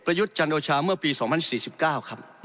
ยุทธ์จันโอชาเมื่อปี๒๐๔๙ครับ